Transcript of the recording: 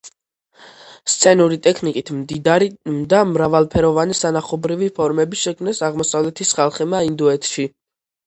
სცენური ტექნიკით. მდიდარი და მრავალფეროვანი სანახაობრივი ფორმები შექმნეს აღმოსავლეთის ხალხებმა ინდოეთშ